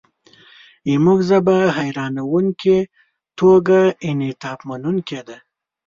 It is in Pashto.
زموږ ژبه حیرانوونکې توګه انعطافمنونکې ده.